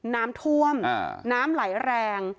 น้ำท่วมน้ำไหลแรง